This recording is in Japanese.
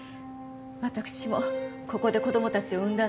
私もここで子供たちを産んだのよ。